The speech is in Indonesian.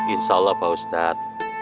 insya allah pak ustad